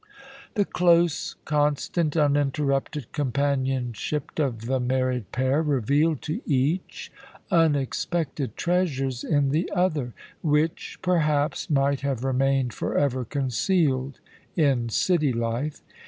The close, constant, uninterrupted companionship of the married pair revealed to each unexpected treasures in the other, which, perhaps, might have remained forever concealed in city life.